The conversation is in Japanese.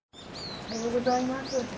おはようございます。